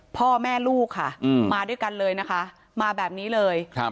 พ่อแม่ลูกค่ะมาด้วยกันเลยนะคะมาแบบนี้เลย